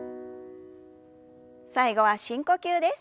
最後は深呼吸です。